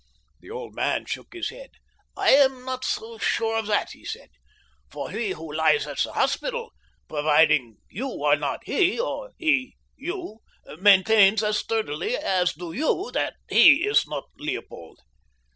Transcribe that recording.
The old man shook his head. "I am not so sure of that," he said, "for he who lies at the hospital, providing you are not he, or he you, maintains as sturdily as do you that he is not Leopold.